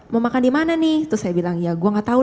mau makan di mana nih terus saya bilang ya gue gak tau